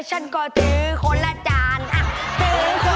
ยังไง